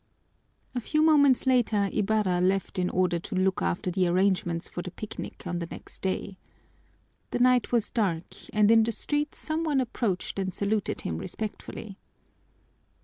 A few moments later Ibarra left in order to look after the arrangements for the picnic on the next day. The night was dark and in the street some one approached and saluted him respectfully.